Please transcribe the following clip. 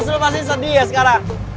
lo masih sedih ya sekarang